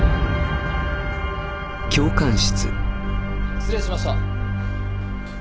失礼しました。